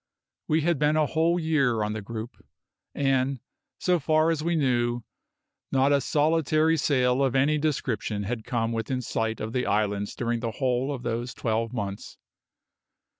We had been a whole year on the group, and, so far as we knew, not a solitary sail of any description had come within sight of the islands during the whole of those twelve months.